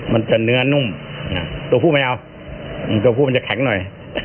มันจะเนื้อนุ่มตัวผู้ไม่เอาตัวผู้มันจะแข็งหน่อย